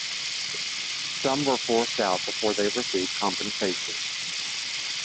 Some were forced out before they received compensation.